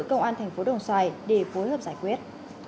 công an thành phố đồng xoài để phối hợp giải quyết